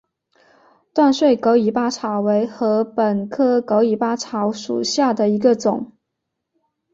断穗狗尾草为禾本科狗尾草属下的一个种。